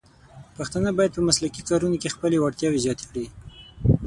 پښتانه بايد په مسلکي کارونو کې خپلې وړتیاوې زیاتې کړي.